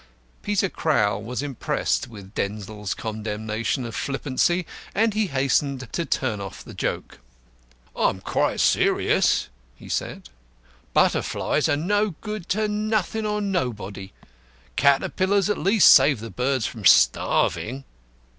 Peter Crowl was impressed with Denzil's condemnation of flippancy, and he hastened to turn off the joke. "I'm quite serious," he said. "Butterflies are no good to nothing or nobody; caterpillars at least save the birds from starving."